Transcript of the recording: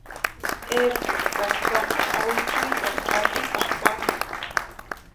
Irqi kaspaqa awichuyta qatipaq kani